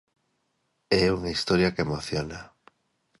E unha historia que emociona.